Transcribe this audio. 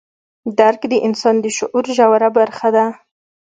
درک د انسان د شعور ژوره برخه ده.